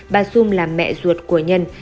bà xu là mẹ ruột của nhân